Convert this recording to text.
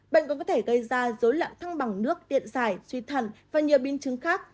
bệnh cũng có thể gây ra dối lạng thăng bằng nước điện giải suy thần và nhiều biên chứng khác